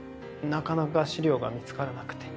なかなか資料が見つからなくて。